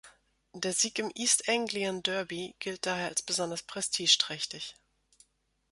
Der Sieg im "East Anglian derby" gilt daher als besonders prestigeträchtig.